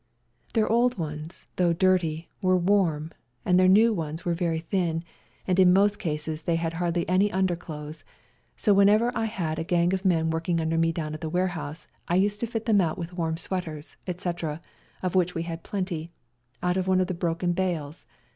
Their old ones, though dirty, were warm, and their new ones were very thin, and in most cases they had hardly any underclothes; so whenever I had a gang of men working under me down at the warehouse I used to fit them out with warm sweaters, etc., of which we had 220 WE GO TO CORFU plenty, out of one of the broken bales.